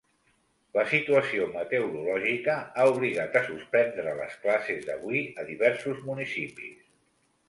La situació meteorològica ha obligat a suspendre les classes d’avui a diversos municipis.